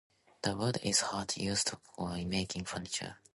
The wood is hard, used for making furniture.